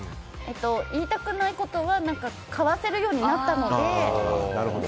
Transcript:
言いたくないことはかわせるようになったので。